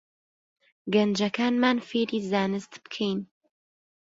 گەنجەکانمان فێری زانست بکەین